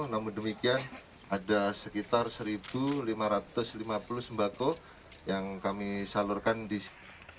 namun demikian ada sekitar satu lima ratus lima puluh sembako yang kami salurkan di sini